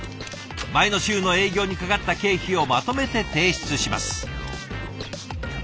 前の週の営業にかかった経費をまとめて提出します。